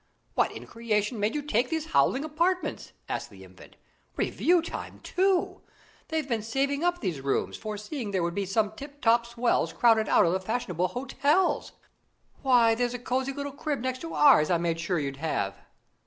"What in creation made you take these howling apartments?" asked the Infant. "Review time, too! They've been saving up these rooms, foreseeing there would be some tip top swells crowded out of the fashionable hotels. Why, there's a cosy little crib next to ours I made sure you'd have."